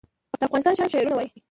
د افغانستان شاعران شعرونه وايي